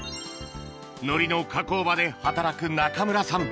海苔の加工場で働く中村さん